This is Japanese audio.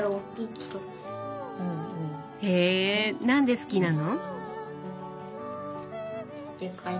へなんで好きなの？